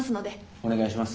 お願いします。